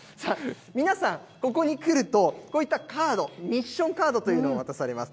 皆さん、ここに来ると、こういったカード、ミッションカードというのを渡されます。